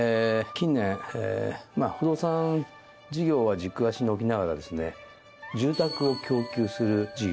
近年不動産事業は軸足に置きながらですね住宅を供給する事業